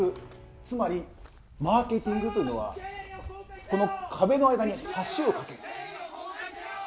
つまりマーケティングというのはこの壁の間に橋を架ける。